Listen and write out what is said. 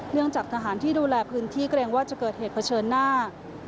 จากทหารที่ดูแลพื้นที่เกรงว่าจะเกิดเหตุเผชิญหน้า